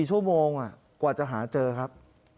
ชั่วโมงกว่าจะหาเจอครับ